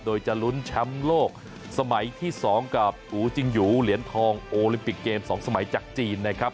โดยจะลุ้นแชมป์โลกสมัยที่๒กับอูจิงหยูเหรียญทองโอลิมปิกเกม๒สมัยจากจีนนะครับ